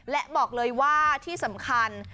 และบอกเลยว่าที่สำคัญ